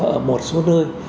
ở một số nơi